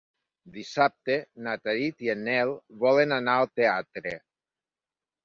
Dissabte na Tanit i en Nel volen anar al teatre.